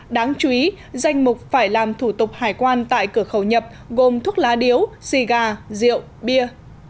đáng chú ý danh mục phải làm thủ tục hải quan tại cửa khẩu nhập gồm thuốc lá điếu xì gà rượu bia